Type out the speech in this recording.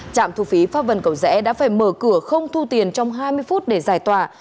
trạm thu phí pháp vân cầu rẽ đã phải mở cửa không thu tiền trong hai mươi phút để giải tỏa